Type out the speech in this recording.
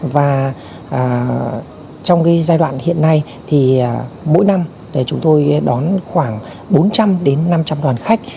và trong giai đoạn hiện nay thì mỗi năm chúng tôi đón khoảng bốn trăm linh đến năm trăm linh đoàn khách